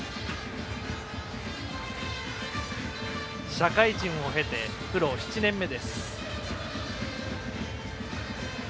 社会人を経て、プロ７年目です。